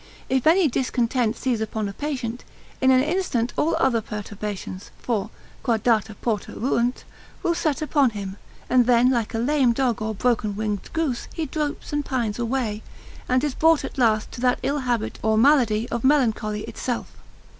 If any discontent seize upon a patient, in an instant all other perturbations (for—qua data porta ruunt) will set upon him, and then like a lame dog or broken winged goose he droops and pines away, and is brought at last to that ill habit or malady of melancholy itself.